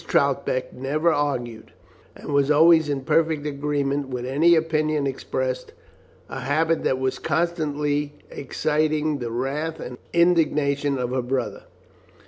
Troutbeck never argued, and was always in perfect agreement with any opinion expressed, a habit that was constantly exciting the wrath and indignation of her brother.